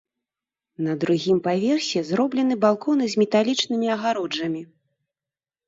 На другім паверсе зроблены балконы з металічнымі агароджамі.